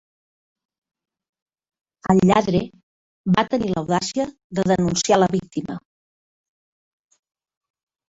El lladre va tenir l'audàcia de denunciar la víctima.